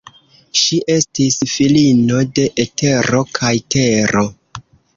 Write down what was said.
Ŝi estis filino de Etero kaj Tero.